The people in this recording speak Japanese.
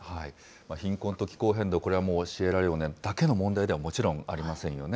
貧困と気候変動、これはもう、シエラレオネだけの問題ではもちろんありませんよね。